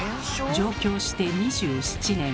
上京して２７年。